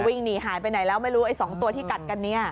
วิ่งหนีหายไปไหนแล้วไม่รู้ไอ้๒ตัวที่กัดกันเนี่ย